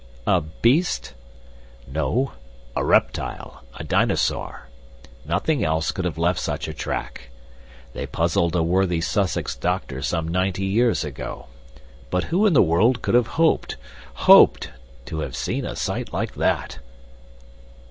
"A beast?" "No; a reptile a dinosaur. Nothing else could have left such a track. They puzzled a worthy Sussex doctor some ninety years ago; but who in the world could have hoped hoped to have seen a sight like that?"